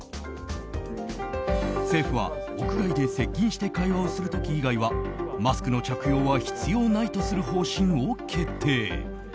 政府は、屋外で接近して会話をする時以外はマスクの着用は必要ないとする方針を決定。